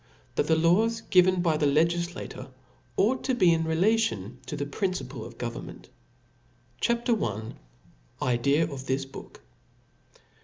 T^hat the Laws givm by the LegiJIator ought to he relative to the Principle ^ oj Government. C H A P. L Idea of this Book.